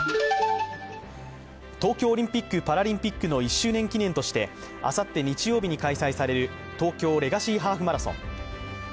東京オリンピック・パラリンピックの１周年記念として、あさって日曜日に開催される東京レガシーハーフマラソン。